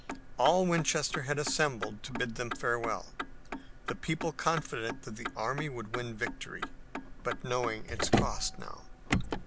All Winchester had assembled to bid them farewell, the people confident that the army would win victory, but knowing its cost now.